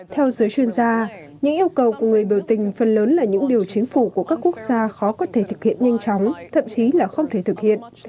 theo giới chuyên gia những yêu cầu của người biểu tình phần lớn là những điều chính phủ của các quốc gia khó có thể thực hiện nhanh chóng thậm chí là không thể thực hiện